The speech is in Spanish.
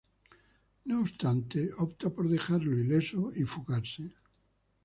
No obstante, opta por dejarlo ileso y fugarse.